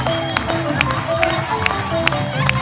น้องเต้นเก่งน้องชอบเต้น